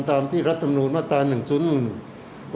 ตามที่ลัดธรรมนูญมาตราหนึ่งศุนย์